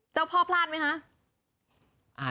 เจ้าพ่อพลาดมั้ยคะ